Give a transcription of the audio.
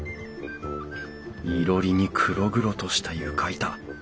いろりに黒々とした床板。